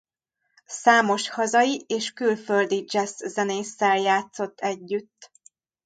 Számos hazai és külföldi dzsesszzenésszel játszott együtt.